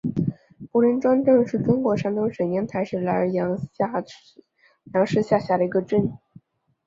柏林庄镇是中国山东省烟台市莱阳市下辖的一个镇。